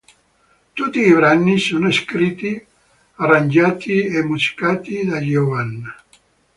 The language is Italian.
Tutti i brani sono scritti, arrangiati e musicati da Giovanna.